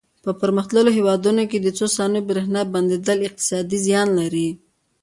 په پرمختللو هېوادونو کې د څو ثانیو برېښنا بندېدل اقتصادي زیان لري.